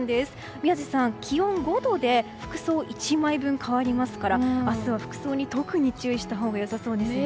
宮司さん、気温５度で服装１枚分変わりますから明日は服装に特に注意したほうが良さそうですね。